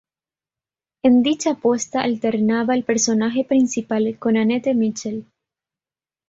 En dicha puesta alternaba el personaje principal con Anette Michel.